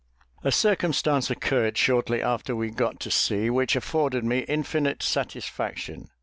A circumstance occurred shortly after we got to sea which afforded me infinite satisfaction.